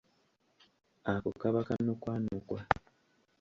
Ako kaba kanukwanukwa.